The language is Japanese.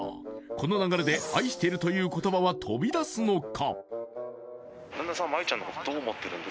この流れで「愛してる」という言葉は飛び出すのか？